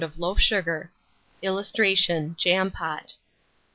of loaf sugar. [Illustration: JAM POT.